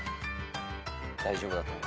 大丈夫だと思う。